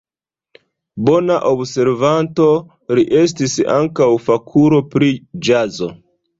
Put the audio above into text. Bona observanto, li estis ankaŭ fakulo pri ĵazo.